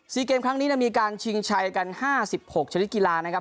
ซีเกมครั้งนี้็มีการชิงชัยกันห้าสิบหกชะลิดกีฬานะครับ